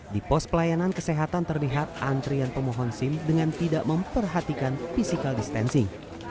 di pos pelayanan kesehatan terlihat antrian pemohon sim dengan tidak memperhatikan physical distancing